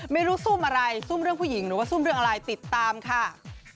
ซุ่มอะไรซุ่มเรื่องผู้หญิงหรือว่าซุ่มเรื่องอะไรติดตามค่ะ